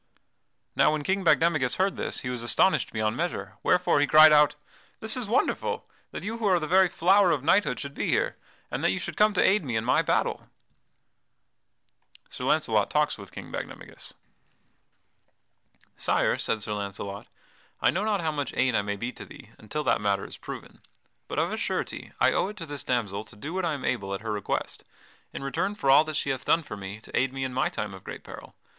'" Now when King Bagdemagus heard this he was astonished beyond measure, wherefore he cried out, "This is wonderful, that you who are the very flower of knighthood should be here, and that you should come to aid me in my battle!" [Sidenote: Sir Launcelot talks with King Bagdemagus] "Sire," said Sir Launcelot, "I know not how much aid I may be to thee until that matter is proven. But of a surety I owe it to this damsel to do what I am able at her request, in return for all that she hath done for me to aid me in my time of great peril.